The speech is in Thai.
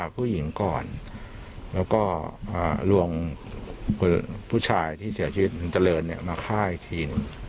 ฆ่าผู้หญิงก่อนแล้วก็ร่วมผู้ชายที่เสียชีวิตตะเริร์นเนี่ยมาฆ่าอีกทีหนู